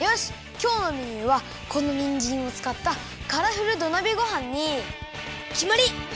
きょうのメニューはこのにんじんをつかったカラフル土鍋ごはんにきまり！